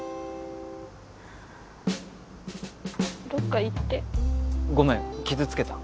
どっか行ってごめん傷つけた？